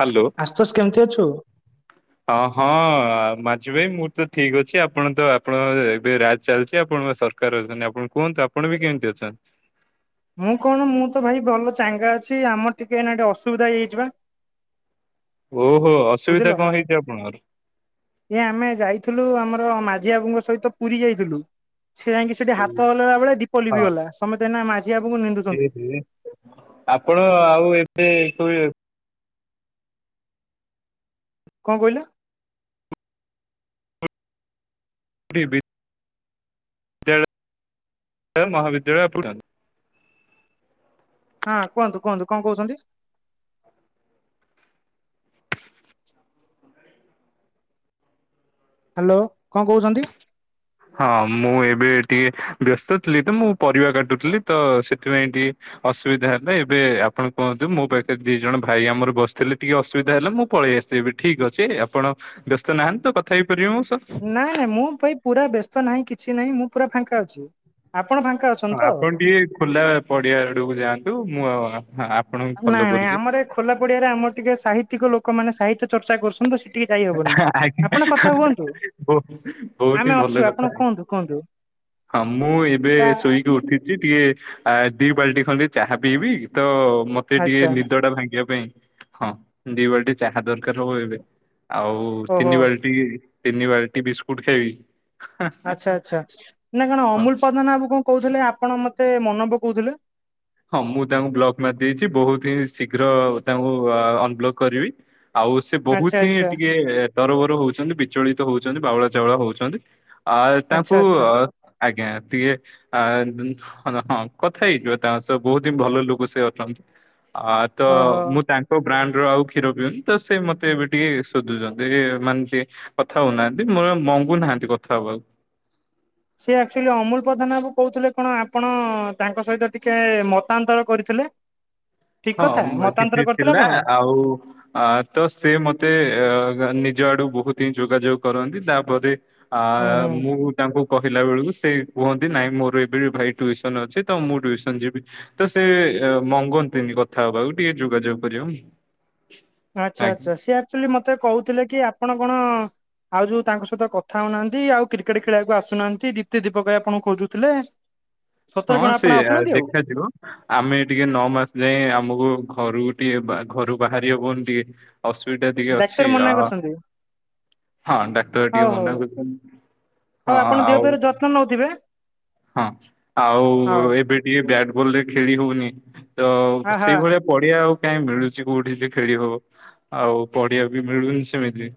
Hello Ashutosh କେମିତି ଅଛୁ? ହଁ ହଁ। ମାଝି ଭାଇ ମୁଁ ତ ଠିକ ଅଛି ଆପଣ ତ ଆପଣକଂର ଏବେ ରାଜ ଚାଲିଛି ଆପଣଙ୍କ ସରକାର ଅଛନ୍ତି ଆପଣ କୁହନ୍ତୁ। ତ ଆପଣ ବି କେମିତି ଅଛନ୍ତି? ମୁଁ କଣ ମୁଁ ତ ଭାଇ ଭଲ ଚାଙ୍ଗା ଅଛି, ଆମର ଟିକେ ଏଇନା ଅସୁବିଧା ହେଇଯାଇଛି ବା। [unintelligible] ଓହୋ ଅସୁବିଧା ବୁଝିଲ କଣ ହେଇଛି ଆପଣଙ୍କର? ଏ ଆମେ ଯାଇଥିଲୁ ଆମ ର ମାଝି ବାବୁଙ୍କ ସହିତ ପୁରୀ ଯାଇଥିଲୁ। ସେ ଯାଇଁକି ସେଠି ହଁ ହାତ ହଲେଇଲା ବେଳେ ଦୀପ ଲିଭି ଗଲା ସମସ୍ତେ ଏଇନା ମା ଏ ହେ ଆପଣ ଆଉ ଏବେ ଶୋଇ କଣ କହିଲ? ଗଟ [unintelligible] ବିଦ୍ୟାଳୟ ମହାବିଦ୍ୟାଳୟ ପୁ ହଁ କୁହନ୍ତୁ କୁହନ୍ତୁ କଣ କହୁଛନ୍ତି? ହ୍ୟାଲୋ କଣ କହୁଛନ୍ତି? ହଁ ମୁଁ ଏବେ ଟିକେ ବ୍ୟସ୍ତ ଥିଲି ତ ମୁଁ ପରିବା କାଟୁଥିଲି ତ ସେଥିପାଇଁ ଟିକେ ଅସୁବିଧା ହେବା ଏବେ ଆପଣ କୁହନ୍ତୁ ମୋ ପାଖରେ ଦି ଜଣ ଭାଇ ଆମର ବସିଥିଲେ ଟିକେ ଅସୁବିଧା ହେଲା ମୁଁ ପଳେ ଏସ୍‌ ଏବେ ଠିକ ଅଛି ଆପଣ ବ୍ୟସ୍ତ ନାହାନ୍ତି ତ କଥା ହେଇ ନାଇଁ ନାଇଁ ମୁ ଭାଇ ପୁରା ବ୍ୟସ୍ତ ନାହିଁ କିଛି ନାହିଁ ମୁଁ ପୁରା ଫାଙ୍କା ଅଛି। ଫାଙ୍କା ଅଛନ୍ତି ହଁ ତ? ଆପଣ ଟିକେ ଖୋଲା ପଡିଆ ଆଡକୁ ଯାଆନ୍ତୁ ମୁଁ ଆ ଆପଣଙ୍କୁ ଫଲୋ ନାଇଁ ନାଇଁ କରୁଛି। ଆମର ଏ ଖୋଲା ପଡିଆରେ ଆମର ଟିକେ ସାହିତ୍ୟକ ଲୋକମାନେ ସାହିତ୍ୟ ଚର୍ଚ୍ଚା କରୁ କିନ୍ତୁ ସେଠିକି ଯାଇ ହବନି ଆଜ୍ଞା। ଆପଣ କଥା ହୁଅନ୍ତୁ। ବହୁ- ବହୁତ ହିଁ ଆମେ ଭଲ ଅଛୁ କଥା ଆପଣ କୁହନ୍ତୁ କୁହନ୍ତୁ। ହଁ ମୁଁ ଏବେ ଶୋଇକି ଉଠିଛି ଟିକେ ଆ ଦି ବାଲ୍ଟି ଖଣ୍ଡେ ଚାହା ପିଇବି ତ ମତେ ଟିକେ ଆଚ୍ଛା ନିଦ ଟା ଭାଙ୍ଗିବା ପାଇଁ । ହଁ ଦି ବାଲ୍ଟି ଚାହା ଦରକାର ହବ ଏବେ, ଆଉ ଓହୋ ତିନି ବାଲ୍ଟି ତିନି ବାରଟି ବିିସ୍କୁଟ ଖାଇବି ଆଛା ଆଚ୍ଛା ନା କଣ ଅମୁଲ ପଦ୍ମନାବ କଣ କହୁଥିଲେ ଆପଣ ମତେ ମତେ ମନ ପକଉଥିଲେ । ହଁ ମୁଁ ତାଙ୍କୁ ବ୍ଲକ୍ ମାରି ଦେଇଛି ବହୁତ ହିଁ ଶୀଘ୍ର ତାଙ୍କୁ ଅନବ୍ଲକ୍ କରିବି । ଆଉ ସେ ଆଚ୍ଛା ବହୁତ ହିଁ ଆଚ୍ଛା। ଟିକେ ତରବର ହଉଛନ୍ତି, ବିଚଳିତ ହଉଛନ୍ତି, ବାଉଳା ଚାଉଳା ହଉଛନ୍ତି, ଆ ଅ ଆଚ୍ଛା ତାଙ୍କୁ ଆଚ୍ଛା ଆଜ୍ଞା ଟିକେ ଅ ଦିନ୍‌ ହଁ ହଁ କଥା ହେଇଯିବ ତାଙ୍କ ସହ ବହୁତ ହିଁ ଭଲ ଲୋକ ସେ ଅଛନ୍ତି । ଅ ତ ଓହୋ। ମୁଁ ତାଙ୍କ ବ୍ରାଣ୍ଡ ଆଉ କ୍ଷୀର ପିଉନି ତ ସେ ମତେ ଏବେ ଟିକେ ଶୋଧୁଛନ୍ତି ମାନେ ଟ କଥା ହଉନାହାନ୍ତି ମୋର କଙ୍ଗୁ ନାହାନ୍ତି କଥା ହବାକୁ ସି ଆକ୍ଚୁଆଲି ଅମୁଲ ପ୍ରଧାନ ବାବୁ କହୁଥିଲେ କଣ ଆପଣ ତାଙ୍କ ସହିତ ଟିକେ ମତାନ୍ତର କରିଥିଲେ ହ ହଁ କିଛି ଥିଲା ଆଉ ତ ସେି ମତେ ନିଜ ଆଡୁ ବହୁତ ହିଁ ଯୋଗାଯୋଗ କରନ୍ତି ତାପରେ ଆ ହୁଁ ମୁଁ ତାଙ୍କୁ କହିଲା ବେଳକୁ ସେ କୁହନ୍ତି ନାଇଁ ମୋର ଏବେ ଭାଇ ଟ୍ୟସନ ଅଛି ତ ମୁଁ ଟ୍ୟସନ ଯିବି ତ ସେ ମଙ୍ଗନ୍ତିନି କଥା ହବା ଆଉ ଟିକେ ଯୋଗାଯୋଗ କର ଆଚ୍ଛା ଆଚ୍ଛା ସିଏ ଆଚୁଆଲି ମତେ କହୁଥିଲେ କି ଆପଣ କଣ ଆଉ ଯୋଉ ତାଙ୍କ ସହିତ କଥା ହଉନାହାନ୍ତି ଆଉ କ୍ରିକେଟ ଖେଳିବାକୁ ଆସୁନାହାନ୍ତି ଦୀପ୍ତି ଦୀପକ ଆପଣଙ୍କୁ ଖୋଜୁଥିଲେ ସତରେ ହଁ କଣ ଆପଣ ସେ ଆସୁନାହାନ୍ତି ଆଉ ଦେଖାଯିବ ଆମେ ଟିକେ ନଅ ମାସ ଯାଏ ଆମକୁ ଘରୁ ଟିକେ ବା ଘରୁ ବାହାରିବବନ ଟିକେ ଅସୁବିଧା ଟିକେ ଡାକ୍ତର ଅଛି ଆ ମନା କରିଛନ୍ତି। ହଁ ଡାକ୍ତର ହଉ ଟିକେ ହଉ ମନା କରଛନ୍ତି ହଉ ହଁ ଆପଣ ଦେହ ଆଉ ଫେହର ଯତ୍ନ ନଉଥିବେ ହଁ ଆଉ ହଉ ଏବେ ଟିକେ ବ୍ୟାଟବଲ ରେ ଖେଳି ହଉନି ତ ହ ହା ସେଇଭଳିଆ ପଢଆ ଆଉ କାଇହିଁ ମିଳୁଛି କୋଉଠି ଯେ ଖେଳି ହବ ଆଉ ପଡିଆ ବି ମିଳୁନି ସେମିତି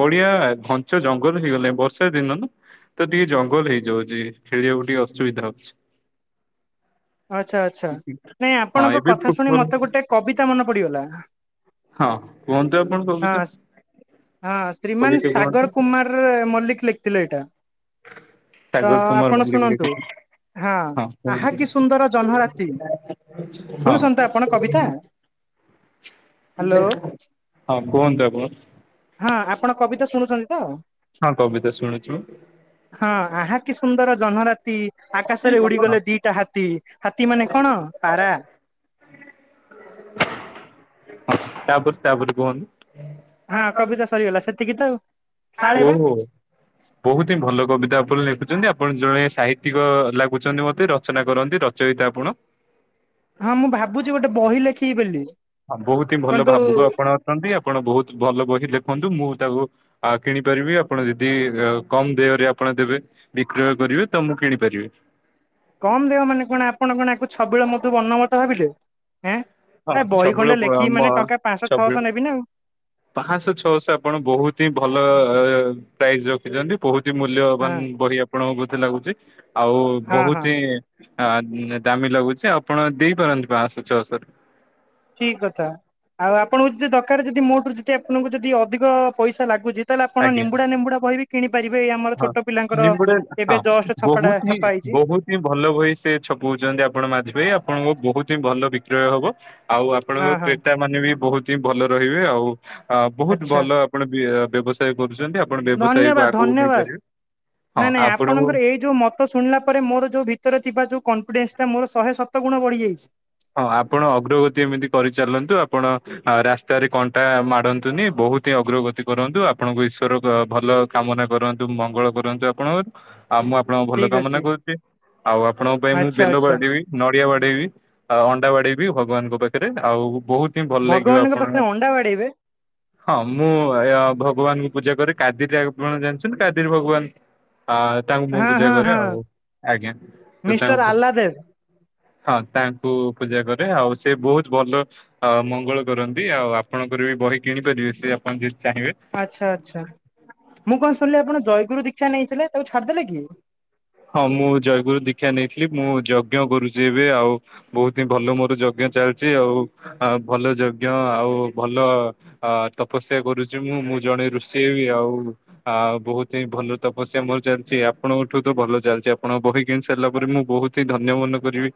ପଡିଆ ଘଞ୍ଚ ଜଙ୍ଗଲ ହେଇଗଲାଣି ବର୍ଷା ଦିନ ନା ତ ଟିକେ ଜଙ୍ଗଲ ହେଇଯାଉଛି ଖେଳିବାକୁ ଟିକେ ଅ ସୁବିଧା ଅଛି ଆଚଛା ଆଚ୍ଛା ନାଇଁ ହଁ ଆପଣଙ୍କ ଏବେ କଥା ଶୁଣି ଫୁଟବଲ ମତେ ଗୋଟେ କବିତା ମନେ ପଡିଗଲା ହଁ କୁହନ୍ତୁ ଆପଣ କବୁଛ ହଁ ହଁ ଶ୍ରୀମାନ ସାଗର କୁମାର ମଲ୍ଲିକ ଲେଖିଥିଲେ ଏଇଟା ତ ସାଗର କୁମାର ଆପଣ ମଲ୍ଲିକ ଶୁଣନ୍ତୁ ଲେଖିଛି ହଁ ଆ କି ସୁନ୍ଦର ଜହ୍ନ ରାତି ହଁ ଶୁଣୁନ୍ତ ଆପଣ କବିତା ହ୍ୟାଲୋ ହଁ କୁହନ୍ତୁ ଆପଣ ହଁ ଆପଣ କବିତା ଶୁଣୁଛନ୍ତି ତ ହଁ ପବିତା୍ର ଶୁଣୁଛୁ ହଁ ଆହା କି ସୁନ୍ଦର ଜହ୍ନ ରାତି ଆକାଶ ରେ ହଁ ଉଡିଗଲେ ଦିଟା ହାତ ହାତୀ ହାତୀ ମାନେ କଣ ପାରା ହଉ ତାପ ତାପ କୁହନ୍ତୁ ହଁ କବିତା ସରିଗଲା ସେତିକି ତ ଆଉ କାଳେ ବା ଓହୋ ବହୁତ ହିଁ ଭଲ କବିତା ଲେଖୁଛନ୍ତି ଆପଣ ଜଣେ ସାହିତ୍ୟିକ ଲାଗୁଛନ୍ତି ମତେ ରଚନା କରନ୍ତି ରଚୟତା ଆପଣ ହଁ ମୁଁ ଭାବୁଛି ଗୋଟେ ବହି ଲେଖି ବୋଲିି ହଁ ବହୁତ ହିଁ ଭଲ ଭାବୁକ ଆପଣ ଅଛନ୍ତି ଆପଣ ବହୁତ ଭଲ ବହି ଲେଖନ୍ତୁ ମୁଁ ତାକୁ କିଣିପାରିବି ଆପଣ ଯଦି କମ ଦେହରେ ଆଣ ଦେବେ ବିକ୍ରୟ କରିବେ ତମକୁ କିଣିପାରିବେ କମ ଦେହ ମାନେ କଣ ଆପଣ କଣକୁ ଛବିଳ ମୋତୁ ଅଣ୍ଣମତ ଭାବିଲେ ଏଁ ହଁ ଏ ବହି ଛବଳ ଖଣ୍ଡେ ଲେଖିବି ମାନେ ଆ ଟଙ୍କା ପାଞ୍ଚଶହ ଛବଳ ଛଅଶହ ନେବି ନା ପାଞ୍ଚଶହ ଛଅଶହ ଆପଣ ବହୁତ ହିଁ ଭଲ ପ୍ରାଇସ୍ ରଖିଛନ୍ତି ବହୁତ ହି ମୂଲ୍ୟବାନ ଆଉ ବହି ଆପଣଙ୍କୁ ବଧେ ଲାଗୁଛି ଆଉ ହଁ ହଁ ବହୁତ ହଁ ହିଁ ଦାମୀ ଲାଗୁଚି। ଆପଣ ଦେଇପାରନ୍ତି। [unintelligible] [unintelligible] ଠିକ କଥା ଆଉ ଆପଣଙ୍କୁ ଯଦି ଦରକାର ଯଦି ମୋଠୁ ଯଦି ଆପଣଙ୍କୁ ଯଦି ଅଧିକ ପଇସା ଲାଗୁଚି ତାହେଲେ ଆପଣ ଆଜ୍ଞା ନିମ୍ବୁଡ଼ା ନିମ୍ବୁଡ଼ା। [unintelligible] ହଁ ନିମ୍ବୁଡ଼ା ଏବେ ହଁ ଜଷ୍ଟ ଛପାଟା ବହୁତ ହିଁ ଛପା ହେଇଛି ବହୁତ ହିଁ ଭଲ ବହି ସେ ଛପଉଛନ୍ତି। ଆପଣ। [unintelligible] ଆପଣଙ୍କ ବହୁତ ହିଁ ଭଲ ବିକ୍ରୟ ହବ। ଆଉ ହଁ ଆପଣଙ୍କ ହଁ କ୍ରେତା ମାନେ ବି ବହୁତ ହିଁ ଭଲ ରହିବେ। ଆଉ ଅ ବହୁତ ଆଚ୍ଛା ଭଲ ଆପଣ ବ୍ୟବସାୟ କରୁଛନ୍ତି। ଆପଣ ବ୍ୟବସାୟକୁ ଧନ୍ୟବାଦ ଆଗକୁ ନେଇ ନାଇଁ ଧନ୍ୟବାଦ। ନାଇଁ ଆପଣଙ୍କର ଏଇ ଯୋଉ ମତ ଶୁଣିଲା ପରେ ମୋର ଯୋଉ ଭିତରେ ଥିବା ଯୋଉ କନଫିଡେନ୍ସ ଟା ମୋ ଶହେ ସତ ଗୁଣ ବଢିଯାଇଛି। ହଁ ଆପଣ ଅଗ୍ରଗତି ଏମିତି କରିଚାଲନ୍ତୁ ଆପଣ ରାସ୍ତାରେ କଣ୍ଟା ମାଡ଼ନ୍ତୁନି ବହୁ ବହୁତ ହିଁ ଅଗ୍ରଗତି କରନ୍ତୁ। ଆପଣଙ୍କୁ ଈଶ୍ଵର ଭଲ କାମନା କରନ୍ତୁ ମଙ୍ଗଳ କରନ୍ତୁ ଆପଣଙ୍କ। ଆଉ ମୁଁ ଆପଣଙ୍କ ଭଲ ଠିକ କାମନା ଅଛି କରୁଛି ଆଉ ଆପଣଙ୍କ ପାଇଁ ମୁଁ ଆଚ୍ଛା ବେଲ ଆଚ୍ଛା। ବାଡେଇବି ନଡିଆ ବାଡେଇବି। ଆଉ ଅଣ୍ଡା ବାଡ଼େଇବି ଭଗବାନଙ୍କ ପାଖରେ। ଆଉ ବହୁତ ହିଁ ଭଲ ଲାଗିବ ଭଗବାନଙ୍କ ପାଖରେ ଆପଣଙ୍କୁ। ଅଣ୍ଡା ବାଡେଇବେ? ହଁ ମୁଁ ଆ ଭଗବାନ ପୂଜା କରି କାଦିର ଆପଣ ଜାଣିଛନ୍ତି କାଦିର ଭଗବାନ। ଆ ତାଙ୍କୁ ମୁଁ ହଁ ପୂଜା ହଁ କରେ। ହଁ ଆଉ ଆଜ୍ଞା ତ ମିଷ୍ଟର ତାଙ୍କୁ ଆଲ୍ଲାଦେବ। ହଁ ତା ପୂଜା କରେ। ଆଉ ସେ ବହୁତ ଭଲ ମଙ୍ଗଳ କରନ୍ତି। ଆଉ ଆପଣଙ୍କର ବି ବହି କିଣିପାରିବେ ସେ ଆପଣ ଯେ ଆଚ୍ଛା ଆଚ୍ଛା ମୁଁ କଣ ଶୁଣିଲି ଆପଣ ଜୟଗୁରୁ ଦୀକ୍ଷା ନେଇଛି ଥିଲେ ତାକୁ ଛାଡିଦେଲେ କି? ହଁ ମୁଁ ଜୟଗୁରୁ ଦୀକ୍ଷା ନେଇଥିଲି ମୁଁ ଯଜ୍ଞ କରୁଛି ଏବେ ଆଉ ବହୁତ ହିଁ ଭଲ ମୋର ଯଜ୍ଞ ଚାଲିଚି ଆଉ। ଆଉ ଭଲ ଯଜ୍ଞ ଆଉ ଭଲ ତପସ୍ୟା କରୁଛି ମୁଁ। ମୁଁ ଜଣେ ରୁଷି ହେବି ଆଉ। ଆ ବହୁତ ହିଁ ଭଲ ତପସ୍ୟା ମୋର ଚାଲିଚି। ଆପଣଙ୍କଠୁ ଭଲ ଚାଲିଚି। ଆପଣଙ୍କ ବହି କିଣି ସାରିଲା ପରେ ମୁଁ ବହୁତ ହିଁ ଧନ୍ୟ ମନେ କରିବି।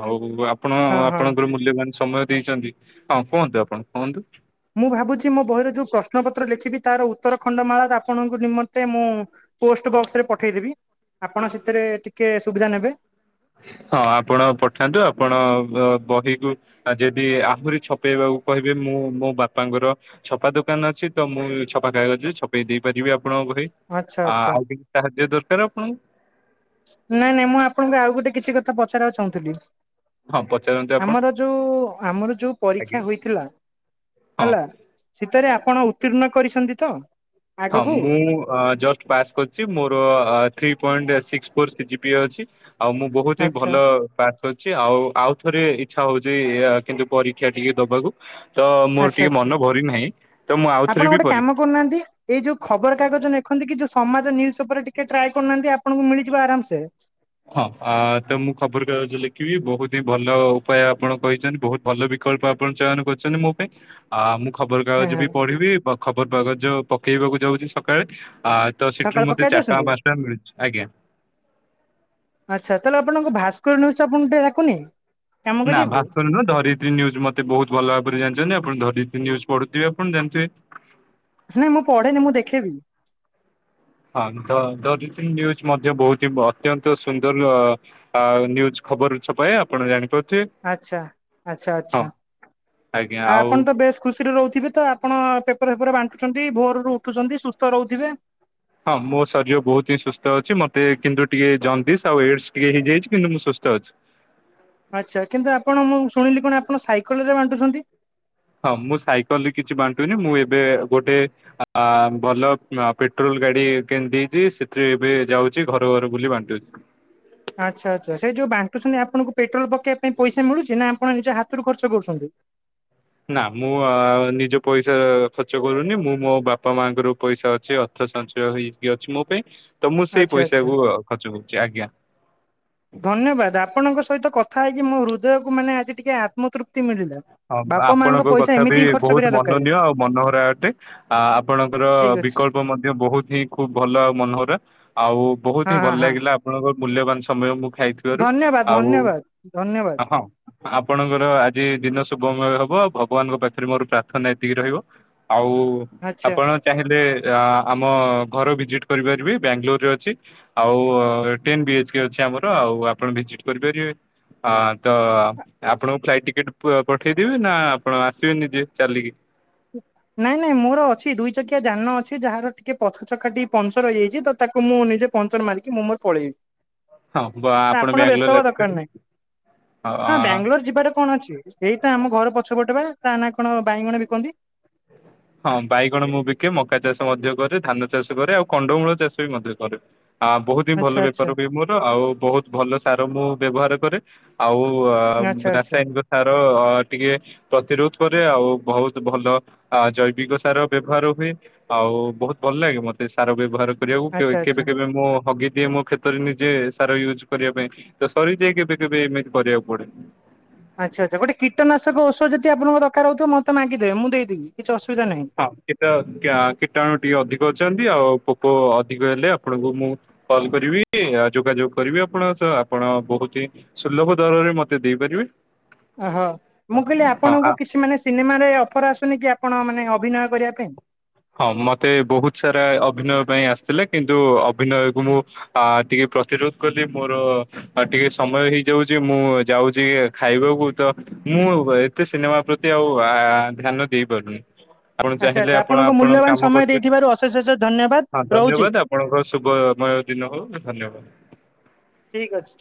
ଆଉ ଆ ଆପଣ ହଁ ହଁ। ଆପଣଙ୍କର ମୂଲ୍ୟବାନ ସମୟ ଦେଇଛନ୍ତି ହଁ କୁହନ୍ତୁ ଆପଣ କୁହନ୍ତୁ। ମୁଁ ଭାବୁଛି ମୋ ବହିର ଯୋଉ ପ୍ରଶ୍ନ ପ ପତ୍ରର ଲେଖିବି ତାର ଉତ୍ତର ଖଣ୍ଡ ମାଳା ରେ ଆପଣଙ୍କ ନିମନ୍ତେ ମୁଁ ପୋଷ୍ଟ ବକ୍ସ ରେ ପଠେଇଦେବି। ଆପଣ ସେଥିରେ ଟିକେ ସୁବିଧା ନେବେ। ହଁ ଆପଣ ପଠାନ୍ତୁ ଆପଣ ବହିକୁ ଯଦି ଆହୁରି ଛପେଇବାକୁ କହିବେ ମୁଁ ମୋ ବାପାଙ୍କର ଛପା ଦୋକାନ ଅଛି ତ ମୁଁ ଛପା କାଗଜରେ ଛପେଇ ଦେଇପାରିବି। ଆପଣଙ୍କ ବହି ଆଚ୍ଛା ଆଚ୍ଛା। ଆଉ ଟିକେ ସାହାଯ୍ୟ ଦରକାର ଆପଣଙ୍କୁ। ନାଇଁ ନାଇଁ ମୁଁ ଆପଣଙ୍କୁ ଆଉ ଗୋଟେ କିଛି କଥା ପଚାରିବାକୁ ଚାହୁଁଥିଲି। ହଁ ପଚାରନ୍ତୁ ଆପଣ ଆମର ଯୋଉ ଆମର ଯୋଉ ଆଜ୍ଞା ପରୀକ୍ଷା ହୋଇଥିଲା ହଁ ହେଲା ସେଥିରେ ଆପଣ ଉତ୍ତୀର୍ଣ୍ଣ କରିଛନ୍ତି। ତ ହଁ ଆଗକୁ? ମୁଁ ଜଷ୍ଟ ପାସ୍ କରିଚି। ମୋର three point six four C G P A ଅଛି। ଆଉ ମୁଁ ବହୁତ ହିଁ ଆଚ୍ଛା। ଭଲ ଆଉ ଆଉ ଥରେ ଇଚ୍ଛା ହଉଚି କିନ୍ତୁ ପରୀକ୍ଷା ଟିକେ ଦବାକୁ। ତ ମୋର ଆଚ୍ଛା ଟିକେ ଆଚ୍ଛା। ମନ ଭରି ନାହିଁ। ତ ମୁଁ ଆପଣ ଆଉଥରେ ବି ଗୋଟେ ପରି କାମ କରୁନାହାନ୍ତି ଏଇ ଯୋଉ ଖବର କାଗଜ ଲେଖନ୍ତି କି ଯୋଉ ସମାଜ ନ୍ୟୁଜ ପେପରରେ ଟିକେ ଟ୍ରାଏ କରୁନାହାନ୍ତି ଆପଣଙ୍କୁ ମିଳିଯିବ ଆରାମ ସେ। ହଁ ତ ମୁଁ ଖବରକାଗଜ ଲେଖିବି। ବହୁତି ହିଁ ଭଲ ଉପାୟ ଆପଣ କହିଛନ୍ତି। ବହୁତ୍ ଭଲ ବି କଳ୍ପ ଆପଣ ଚୟନ କରିଛନ୍ତି ମୋ ପାଇଁ। ଆ ମୁଁ ଖବର କାଗଜ ହଁ ବି ପଢିବି। ଖବର କାଗଜ ପକେଇବାକୁ ଯାଉଛି ସକାଳେ। ଆ ତ ସେଠରୁ ସକାଳେ ମେ ଚାରି ପକେଇ ଟଙ୍କା ଦଉଛନ୍ତି ପାଞ୍ଚ ଟଙ୍କା ମିଳୁଚି। ଆଜ୍ଞା। ଆଚ୍ଛା ତାହେଲେ ଆପଣଙ୍କ ଭାସ୍କର ନ୍ୟୁଜ ଆପଣଙ୍କୁ ଟିକେ ଡାକୁନି। କାମ ନା କରିବାକୁ ଭାସ୍କର ନୁହଁ, ଧରିତ୍ରୀ ନ୍ୟୁଜ ମତେ ବହୁତ ଭଲ ଭାବରେ ଜାଣିଛନ୍ତି। ଆପଣ ଧରିତ୍ରୀ ନ୍ୟୁଜ ପଢୁଥିବେ ଆପଣ ଜାଣିଥିବେ। ନାଇଁ ମୁଁ ପଢେନି ମୁଁ ଦେଖେବି ହଁ ଧରିତ୍ରି ନ୍ୟୁଜ ମଧ୍ୟ ବହୁତ ଅତ୍ୟନ୍ତ ସୁନ୍ଦର ନ୍ୟୁଜ। ଖବର ଛପାଏ ଆପଣ ଜାଣିପାରୁ ଆଚ୍ଛା ଆଚ୍ଛା ଆଚ୍ଛା ଆଉ ଆପଣ ତ ବେଶ୍ ଖୁସିରେ ରହୁ ଥିବେ ତ ଆପଣ ପେପର ଫେପର ବାଣ୍ଟୁଛନ୍ତି ଭୋରରୁ ଉଠୁଛନ୍ତି ସୁସ୍ଥ ରହୁଥିବେ ହଁ ମୋ ଶରୀର ବହୁତ ହିଁ ସୁସ୍ଥ ଅଛି ମତେ କିନ୍ତୁ ଟିକେ ଜଣ୍ଡିସ ଆଉ ଏଇଡସ ଟିକେ ହେଇଯାଇଛି କିନ୍ତୁ ମୁଁ ସୁସ୍ଥ ସୁସ୍ଥ ଅଛି ଆଚ୍ଛା କିନ୍ତୁ ଆପଣ ମୁଁ ଶୁଣିଲି କଣ ଆପଣ ସାଇକେଲ ରେ ବାଣ୍ଟୁଛନ୍ତି ହଁ ମୁଁ ସାଇକେଲରେ କିଛି ବାଣ୍ଟୁନି ମୁଁ ଏବେ ଗୋଟେ ଭଲ ପେଟ୍ରୋଲ ଗାଡି କିଣିଦେଇଛି ସେଥିରେ ଏବେ ଯାଉଛି ଘର ଘର ବୁଲି ବାଣ୍ଟଉଛି ଆଚ୍ଛା ଆଚ୍ଛା ସେ ଯୋଉ ବାଣ୍ଟୁଛନ୍ତି ଆପଣଙ୍କୁ ପେଟ୍ରୋଲ ପକେଇବା ପାଇଁ ପଇସା ମିଳୁଛି ନା ଆପଣ ନିଜ ହାତରୁ ଖର୍ଚ୍ଚ କରୁଛନ୍ତି ନା ମୁଁ ନିଜ ପଇସା ଖର୍ଚ୍ଚ କରୁନି ମୁଁ ମୋ ବାପା ମାଙ୍କର ପଇସା ଅଛି ସଞ୍ଚୟ ହେଇକି ଅଛି ମୋ ପାଇଁ ତ ମୁଁ ସେଇ ଆଚ୍ଛା ଆଛା ପଇସାକୁ ଖର୍ଚ୍ଚ କରୁଛି ଆଜ୍ଞା। ଧନ୍ୟବାଦ ଆପଣଙ୍କ ସହିତ କଥା ହେଇ ଆ ମୋ ହୃଦୟକୁ ମାନେ ଆଜି ଟିକେ ଆତ୍ମତୃପ୍ତି ମିଳିଲ ହଁ ଆପଣଙ୍କ କଥା ବି ବହୁତ କରିବା ଦରକାର ମନନୀୟ ଆଉ ମନୋହରା ଅଟେ ଆ ଆପଣଙ୍କର ଠିକ ଅଛି ବିକଳ୍ପ ମଧ୍ୟ ବହୁତ ହିଁ ଖୁବ ଭଲ ଆଉ ମନୋହରା । ଆଉ ବହୁତ ହଁ ହିଁ ଭଲ ହଁ ହଁ ଲାଗିଲା ଆପଣଙ୍କ ମୂଲ୍ୟବାନ ସମୟ ମୁଁ ଖାଇଥିବାରୁ ଧନ୍ୟବାଦ ଆଉ ଧନ୍ୟବାଦ ଧନ୍ୟବାଦ ହଁ ଆପଣଙ୍କର ଆଜି ଦିନ ସମୟ ହବ ଭଗବାନଙ୍କ ପାଖରେ ମୋର ପ୍ରାର୍ଥନା ଏତିକି ରହିବ ଆଉ ଆଚ୍ଛା। ଆପଣ ଚାହିଁଲେ ଆମ ଘର ଭିଜିଟ୍ କରିପାରିବି ବାଙ୍ଗାଲୋରରେ ଅଛି ଆଉ ଟେନ୍ ବି ଏଚ୍ କେ ଅଛି। ଆମର ଆପଣ ଭିଜିଟ କରିପାରିବେ ଆତ ଆପଣଙ୍କୁ ଫ୍ଲାଇଟ ଟିକେଟ କୁ ପଠେଇଦବି ନା ଆପଣ ଆସିବେ ନିଜେ ଚାଲିକି। ନାଇଁ ନାଇଁ। ତାକୁ ମୁଁ ନିଜେ ପହଞ୍ଚର ମାରିକି ମୁଁ ମୋର ପଳେଇବି। ଆପଣ ବ୍ୟସ୍ତ ହଁ ହବା ଆପଣ ଦରକାର ବାଙ୍ଗାଲୋର ନାହିଁ ଆସିପାରିବେ। ହଁ ବାଙ୍ଗଲୋର ଯିବାରେ କଣ ଅଛି। ଏଇତ ଆମ ଘର ପଛପଟେ ବା ତାନା କଣ ବାଇଗଣ ବିକନ୍ତି। ହଁ ବାଇଗଣ ମୁଁ ବିକେ ମକା ଚାଷ ମଧ୍ୟ କରେ ଧାନ ଚାଷ କରେ ଆଉ କଣ୍ଡମୂଳ ଚାଷ ବି ମଧ୍ୟ କରେ। ଆ ବହୁତ ହିଁ ଭଲ ଆଚ୍ଛା ଆଚ୍ଛା ବେପାର ହୁଏ ମୋର ଆଉ ବହୁତ ଭଲ ସାର ମୁଁ ବ୍ୟବହାର କରେ ଆଉ ଆଚ୍ଛା ଆଚ୍ଛା ରାସାୟନିକ ସାର ଟିକେ ପ୍ରତିରୋଧ କରେ ଆଉ ବହୁତ ଭଲ ଆ ଜୈବିକ ସାର ବ୍ୟବହାର ହୁଏ ଆଉ ବହୁତ ଭଲ ଲାଗେ ମତେ ସାର ବ୍ୟବହାର କରିବାକୁ ଆଚ୍ଛା ଆଚ୍ଛା। କେବେ କେବେ ମୁଁ ହଗି ଦିଏ ମୋ କ୍ଷେତରେ ନିଜେ। ସାର ୟୁଜ୍ କରିବା ପାଇଁ ତ ସରୀ ଯାଏ କେବେ କେବେ ଏମିତି କରିବାକୁ ପଡେ। ଆଚ୍ଛା ଆଚ୍ଛା ଗୋଟେ କଟନାଶକ ଔଷଧ ଯଦି ଆପଣଙ୍କ ଦରକାର ହଉଥିବ ମତେ ମା ହଁ କୀଟ କ୍ୟା କୀଟାଣୁ ଟିକେ ଅଧିକ ଅଛନ୍ତି ଆଉ ପୋକ ଅଧିକ ହେଲେ ଆପଣଙ୍କୁ ମୁଁ କଲ୍ କରିବି ଆ ଯୋଗାଯୋଗ କରିବି ଆପଣଙ୍କ ସହ ଆପଣ ବହୁତ ସୁଲଭ ଦରରେ ମତେ ଦେଇପାରିବେ। ଓହୋ ମୁଁ କହିଲି ହଁ ଆ ଆପଣଙ୍କୁ କିଛି ମାନେ ସିନେମାରେ ଅଫର ଆସୁନି କି ଆପଣ ମାନେ ଅଭିନୟ କରିବା ପାଇଁ। ହଁ ମତେ ବହୁତ ସାରା ଅଭିନୟ ପାଇଁ ଆସିଥିଲେ କିନ୍ତୁ ଅଭିନୟକୁ ମୁଁ ଆ ଟିକେ ପ୍ରତିରୋଧ କଲି ମୋର ଟିକେ ସମୟ ହେଇଯାଉଛି ମୁଁ ଯାଉଛି ଖାଇବାକୁ ତ ମୁଁ ଏତେ ସିନେମା ପ୍ରତି ଆଉ ଆ ଆ ଧ୍ୟାନ ଦେଇପାରୁନି ଆପଣ ଆଚ୍ଛା ଚାହିଁଲେ ଆଚ୍ଛା ଆପଣ ଆପଣଙ୍କ ଆପଣ ମୂଲ୍ୟବାନ କାମ ସମୟ କରିବେ ଦେଇଥିବାରୁ ଅଶେଷ ଅଶେଷ ଧନ୍ୟବାଦ ହଁ ରହୁଛି ଧନ୍ୟବାଦ ଆପଣଙ୍କ ଶୁଭମୟ ଦିନ ହଉ ଧନ୍ୟବାଦ। ଠିକ ଅଛି।